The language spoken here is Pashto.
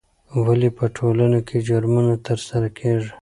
ولې په ټولنه کې جرمونه ترسره کیږي؟